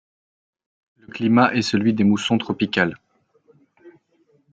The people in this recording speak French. Le climat est celui de moussons tropicales.